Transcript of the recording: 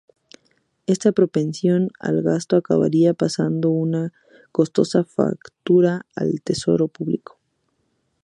Esta propensión al gasto acabaría pasando una costosa factura al Tesoro público.